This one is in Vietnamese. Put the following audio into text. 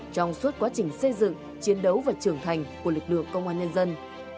trong suốt quá trình xây dựng chiến đấu và trưởng thành của lực lượng công an nhân dân